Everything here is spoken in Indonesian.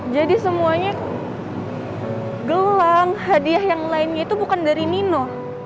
jadi semuanya gelang hadiah yang lainnya itu bukan dari nino